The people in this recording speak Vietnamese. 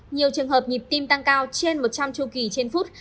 nhiều trường hợp nhịp tim tăng cao trên một trăm linh chu kỳ trên phút